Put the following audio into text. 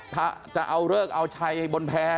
ถ้าจะเอาเลิกเอาชัยบนแพร่